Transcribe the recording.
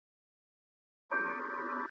پاک چاپېریال روغتیا ساتي.